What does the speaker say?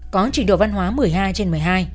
có trình độ văn hóa một mươi hai trên một mươi hai